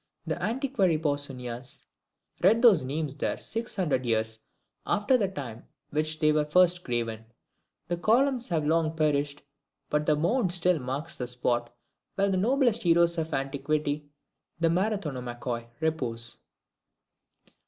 The antiquary Pausanias read those names there six hundred years after the time when they were first graven. The columns have long perished, but the mound still marks the spot where the noblest heroes of antiquity, the MARATHONOMAKHOI repose.